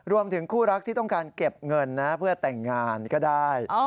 รวมถึงคู่รักที่ต้องการเก็บเงินนะเพื่อแต่งงานก็ได้